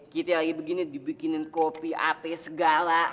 kita lagi begini dibikinin kopi ape segala